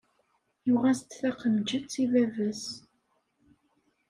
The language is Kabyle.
Yuɣ-as-d taqemjett i baba-s